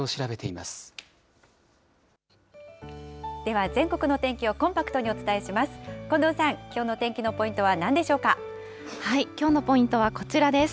では全国のお天気をコンパクトにお伝えします。